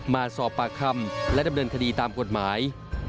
มาสอบปากคำและดำเนินคดีตามกฎหมาย